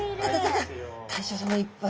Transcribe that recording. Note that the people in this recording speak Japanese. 大将さまいっぱい。